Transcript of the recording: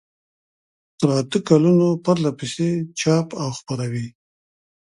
تر اته کلونو پرلپسې چاپ او خپروي.